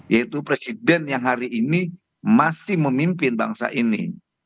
yaitu presiden yang hari ini masih memimpin bangsa ini